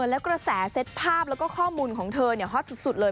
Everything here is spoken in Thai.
แล้วกระแสเซ็ตภาพแล้วก็ข้อมูลของเธอฮอตสุดเลย